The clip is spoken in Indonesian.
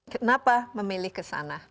kenapa memilih kesana